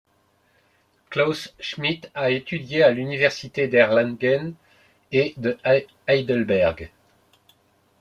Klaus Schmidt a étudié à l'université d'Erlangen et de Heidelberg.